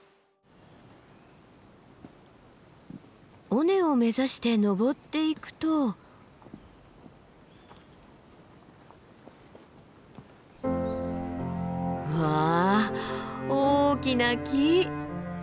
尾根を目指して登っていくと。わ大きな木。